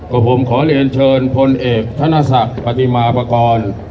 ก็ผมขอเรียนเชิญพลเอกธนศักดิ์ปฏิมาปากร